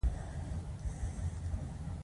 چې د تور سرو ژړا و فريادونه مو واورېدل.